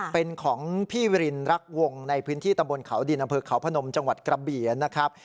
เป็นของพี่วิรินรักวงในพื้นที่ตำบลเขาดินอำเภอเขาพนมจังหวัดกระบี่นะครับ